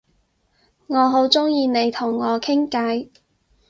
我好鍾意你同我傾偈